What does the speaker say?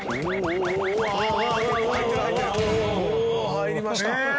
入りました。